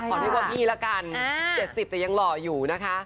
เรียกว่าพี่ละกัน๗๐แต่ยังหล่ออยู่นะคะ